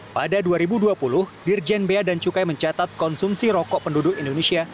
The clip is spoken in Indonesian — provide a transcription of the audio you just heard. pada dua ribu dua puluh dirjen bea dan cukai mencatat konsumsi rokok penduduk indonesia